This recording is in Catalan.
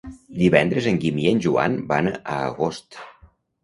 Divendres en Guim i en Joan van a Agost.